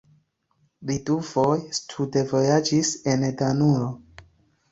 Li dufoje studvojaĝis en Danujo.